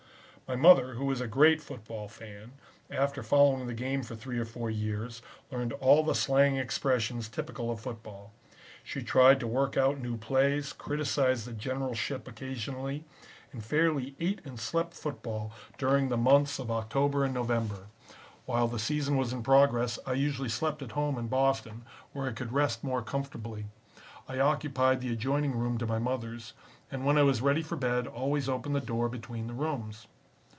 "My mother, who is a great football fan, after following the game for three or four years, learned all the slang expressions typical of football. She tried to work out new plays, criticised the generalship occasionally, and fairly 'ate and slept' football during the months of October and November. While the season was in progress I usually slept at home in Boston where I could rest more comfortably. I occupied the adjoining room to my mother's, and when I was ready for bed always opened the door between the rooms.